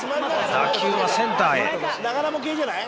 打球はセンターへ。